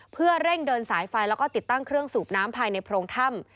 เพื่อเร่งเดินสายไฟแล้วก็ติดตั้งเครื่องสูบน้ำภายในโพรงถ้ำ